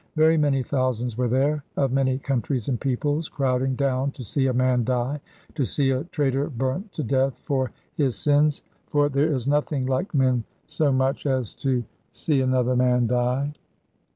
Very many thousands were there, of many countries and peoples, crowding down to see a man die, to see a traitor burnt to death for his sins, for there is nothing men like so much as to see another man die.